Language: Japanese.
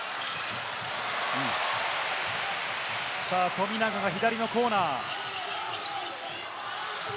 富永が左のコーナー。